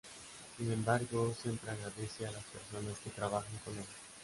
Sin embargo, siempre agradece a las personas que trabajan con ella.